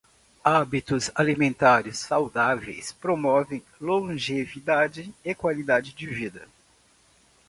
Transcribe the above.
Hábitos alimentares saudáveis promovem longevidade e qualidade de vida.